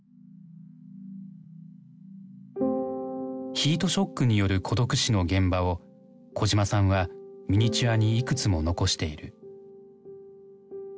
ヒートショックによる孤独死の現場を小島さんはミニチュアにいくつも残している。